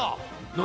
何？